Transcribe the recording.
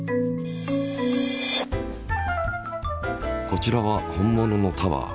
こちらは本物のタワー。